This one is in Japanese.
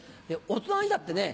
大人にだってね